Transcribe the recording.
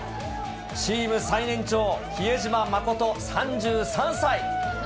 チーム最年長、比江島慎３３歳。